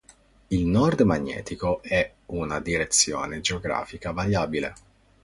Il nord magnetico è una direzione geografica variabile.